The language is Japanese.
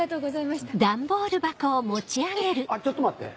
あっちょっと待って。